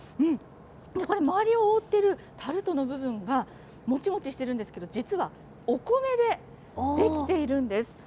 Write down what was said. これ、周りを覆っているタルトの部分はもちもちしてるんですけど、実はお米で出来ているんです。